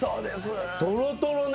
トロトロね。